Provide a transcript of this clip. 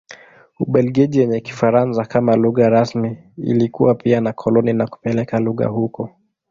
Ubelgiji yenye Kifaransa kama lugha rasmi ilikuwa pia na koloni na kupeleka lugha huko.